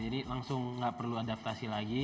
jadi langsung gak perlu adaptasi lagi